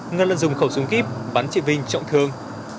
ngân là dùng khẩu súng kíp bắn chị vinh trọng thương